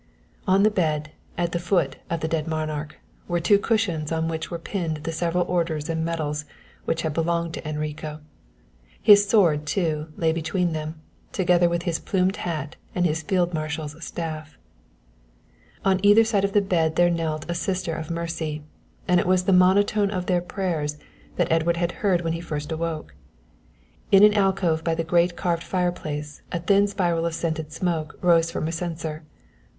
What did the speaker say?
On the bed, at the feet of the dead monarch, were two cushions on which were pinned the several orders and medals which had belonged to Enrico; his sword, too, lay between them, together with his plumed hat and his field marshal's staff. On either side of the bed there knelt a Sister of Mercy, and it was the monotone of their prayers that Edward had heard when he first awoke. In an alcove by the great carved fire place a thin spiral of scented smoke rose from a censer.